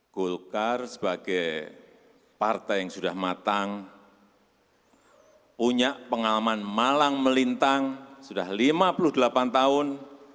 golkar sebagai partai yang sudah matang punya pengalaman malang melintang sudah lima puluh delapan tahun